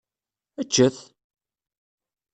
Eččet!